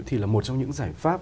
thì là một trong những giải pháp